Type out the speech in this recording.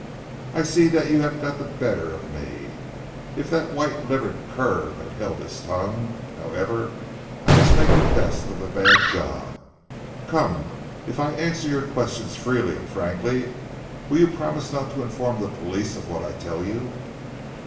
"I see that you have got the better of me. If that white livered cur had held his tongue however I must make the best of a bad job. Come, if I answer your questions freely and frankly will you promise not to inform the police of what I tell you?"